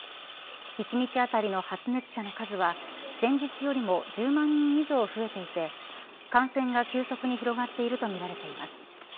一日当たりの発熱者の数は前日よりも１０万人以上増えていて感染が急速に広がっているとみられています。